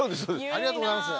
ありがとうございます。